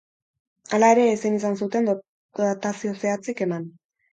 Hala ere, ezin izan zuten datazio zehatzik eman.